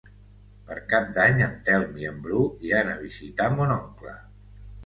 Per Cap d'Any en Telm i en Bru iran a visitar mon oncle.